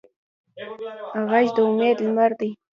غږ د امید لمر دی